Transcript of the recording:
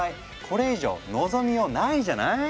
これ以上望みようないじゃない？